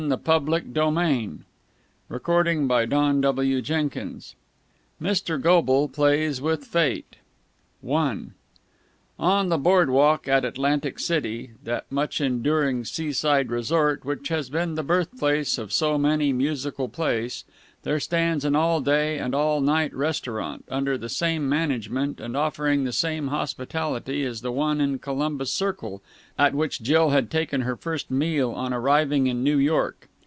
He called for a toothpick. CHAPTER XVI MR. GOBLE PLAYS WITH FATE I On the boardwalk at Atlantic City, that much enduring seashore resort which has been the birthplace of so many musical plays, there stands an all day and all night restaurant, under the same management and offering the same hospitality as the one in Columbus Circle at which Jill had taken her first meal on arriving in New York.